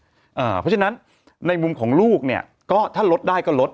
เพราะฉะนั้นในมุมของลูกเนี่ยก็ถ้าลดได้ก็ลด